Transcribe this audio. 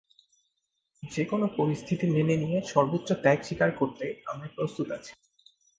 যেকোনো পরিস্থিতি মেনে নিয়ে সর্বোচ্চ ত্যাগ স্বীকার করতে আমরা প্রস্তুত আছি।